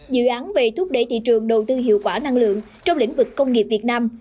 dự án về thúc đẩy thị trường đầu tư hiệu quả năng lượng trong lĩnh vực công nghiệp việt nam